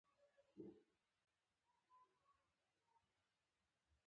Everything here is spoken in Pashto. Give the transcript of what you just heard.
آیا بانکوال سپارونکو ته هم درې سلنه ګټه ورکوي